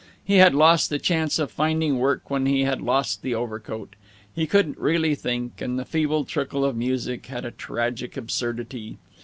He had lost the chance of finding work when he had lost the overcoat. He couldn't really think, and the feeble trickle of music had a tragic absurdity.